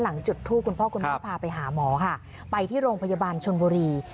จุดทูปคุณพ่อคุณแม่พาไปหาหมอค่ะไปที่โรงพยาบาลชนบุรี